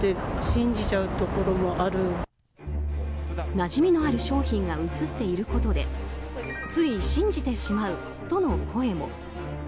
なじみのある商品が写っていることでつい信じてしまうとの声も。